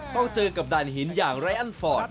ต้องเจอกับด่านหินอย่างไรอันฟอร์ต